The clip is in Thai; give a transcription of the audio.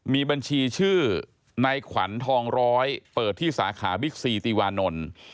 มีบัญชีชื่อในขวัญทองร้อยเปิดที่สาขาบิ๊กซีติวานนท์